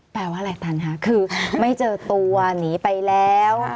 แปลว่าอะไรตันค่ะคือไม่เจอตัวหนีไปแล้ว